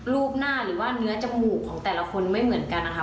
รูปหน้าหรือว่าเนื้อจมูกของแต่ละคนไม่เหมือนกันนะคะ